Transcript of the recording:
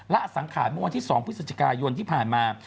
และสังขาดมวลที่๒พฤศจิกายนที่ผ่านมา